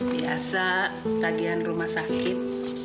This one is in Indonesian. biasa tagihan rumah sakit